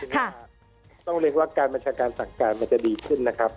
ว่าต้องเรียกว่าการบัญชาการสั่งการมันจะดีขึ้นนะครับ